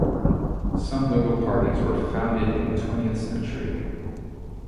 Some liberal parties were founded in twentieth century.